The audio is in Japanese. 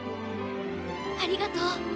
ありがとう。